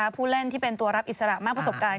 ผู้เล่นที่เป็นตัวรับอิสระมากประสบการณ์